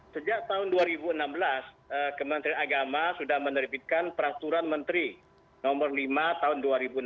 sejak tahun dua ribu enam belas kementerian agama sudah menerbitkan peraturan menteri no lima tahun dua ribu enam belas